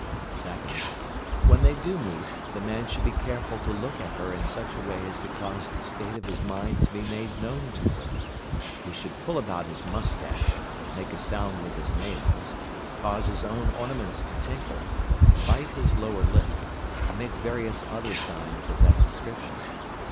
2nd. When they do meet, the man should be careful to look at her in such a way as to cause the state of his mind to be made known to her; he should pull about his moustache, make a sound with his nails, cause his own ornaments to tinkle, bite his lower lip, and make various other signs of that description.